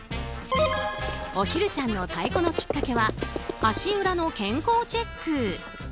おひるちゃんの太鼓のきっかけは足裏の健康チェック。